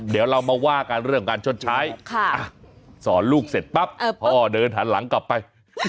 เดี๋ยวเรามาว่ากันเรื่องการชดใช้สอนลูกเสร็จปั๊บพ่อเดินหันหลังกลับไป